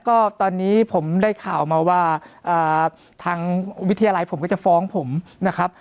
ก็ตอนนี้ผมได้ข่าวมาว่าทางวิทยาลัยผมก็จะฟ้องผมนะครับ